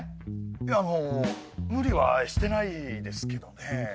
いや無理はしてないですけどね。